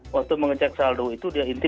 waktu mengecek saldo itu dia inti